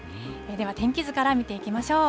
では、天気図から見ていきましょう。